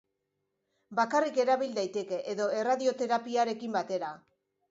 Bakarrik erabil daiteke edo erradioterapiarekin batera.